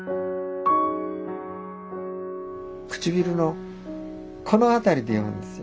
唇のこの辺りで読むんですよ。